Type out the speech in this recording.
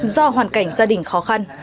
do hoàn cảnh gia đình khó khăn